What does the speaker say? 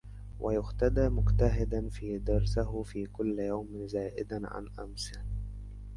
ويغتدي مجتهدا في درسهِ في كل يوم زائدآ عن امسهِ